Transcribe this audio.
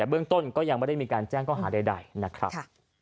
แต่เบื้องต้นก็ยังไม่ได้มีการแจ้งข้อหาใดนะครับ